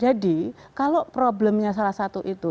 jadi kalau problemnya salah satu itu